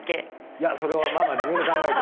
いやそれはママ自分で考えて。